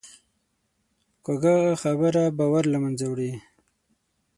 کوږه خبره باور له منځه وړي